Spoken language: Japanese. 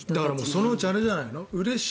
そのうちあれじゃないの？